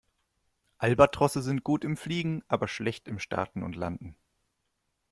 Albatrosse sind gut im Fliegen, aber schlecht im Starten und Landen.